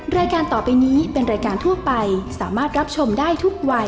รายการต่อไปนี้เป็นรายการทั่วไปสามารถรับชมได้ทุกวัย